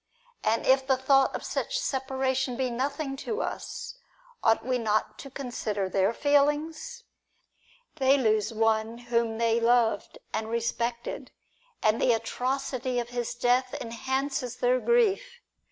And if the thought of such separation be nothing to us, ought we not to consider their feelings ? They lose one whom they loved and respected; and the atrocity of his death enhances their grief.